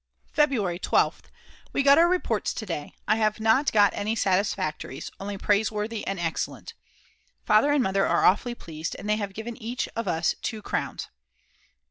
February 12th. We got our reports to day. I have not got any Satisfactories, only Praiseworthy and Excellent. Father and Mother are awfully pleased and they have given each of us 2 crowns.